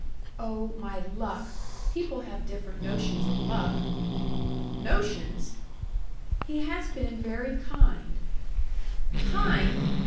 "Oh, my luck! People have different notions of luck." "Notions!" "He has been very kind." "Kind!"